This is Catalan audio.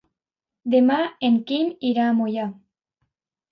Demà en Quim irà a Moià.